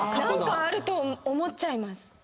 何かあると思っちゃいます。